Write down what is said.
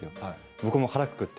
僕も腹をくくって。